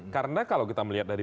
karena kalau kita melihat dari